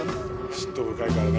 嫉妬深いからね。